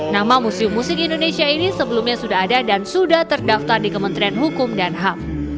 nama museum musik indonesia ini sebelumnya sudah ada dan sudah terdaftar di kementerian hukum dan ham